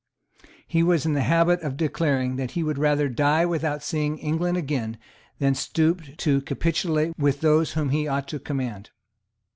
He was in the habit of declaring that he would rather die without seeing England again than stoop to capitulate with those whom he ought to command.